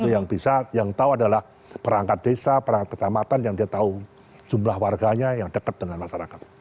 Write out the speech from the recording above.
yang bisa yang tahu adalah perangkat desa perangkat kecamatan yang dia tahu jumlah warganya yang dekat dengan masyarakat